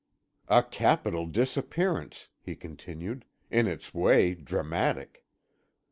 "A capital disappearance," he continued; "in its way dramatic.